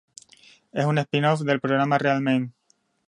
Es un spin-off del programa Real Men.